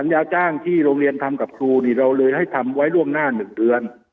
สัญญาจ้างที่โรงเรียนทำกับสูริเราเลยให้ทำไว้ร่วมหน้าหนึ่งเดือน